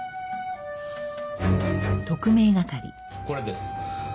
これです。